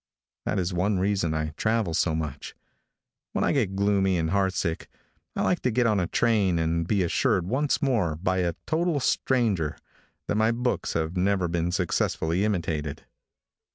That is one reason I travel so much. When 1 get gloomy and heartsick, I like to get on a train and be assured once more, by a total stranger, that my books have never been successfully imitated.